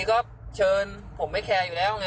ก็เชิญผมไม่แคร์อยู่แล้วไง